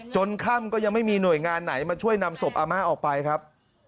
ค่ำก็ยังไม่มีหน่วยงานไหนมาช่วยนำศพอาม่าออกไปครับ